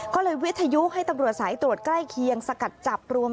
ก็เลยวิทยุให้ตำรวจสายตรวจใกล้เคียงสกัดจับรวม